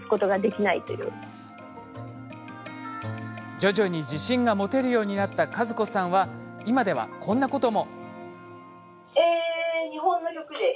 徐々に自信が持てるようになった加珠子さんは今ではこんなことも。